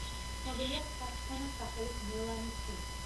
ცნობილია სასცენო სახელით მელანი სი.